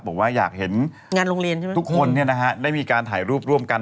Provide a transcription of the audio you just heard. บอกว่าอยากเห็นทุกคนได้มีการถ่ายรูปร่วมกัน